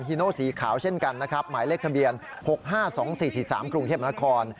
โนสีขาวเช่นกันนะครับหมายเลขทะเบียน๖๕๒๔๔๓กรุงเทพนคร